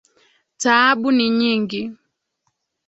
Taabu ni nyingi.